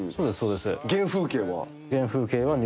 原風景は？